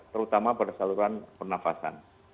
terutama pada saluran penafasan